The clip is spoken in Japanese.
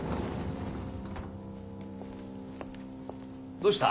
どうした？